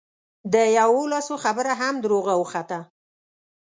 د یوولسو خبره هم دروغه وخته.